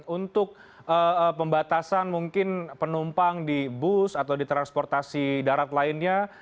untuk pembatasan mungkin penumpang di bus atau di transportasi darat lainnya